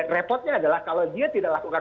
repotnya adalah kalau dia tidak lakukan